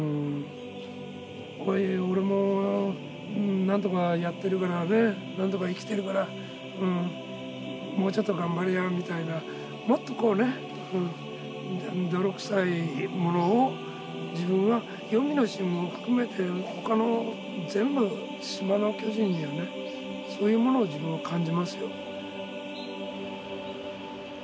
おい俺もなんとかやってるからねなんとか生きてるからもうちょっと頑張れやみたいなもっとこうね泥臭いものを自分は黄泉の椎も含めて他の全部島の巨樹にはねそういうものを自分は感じますよ。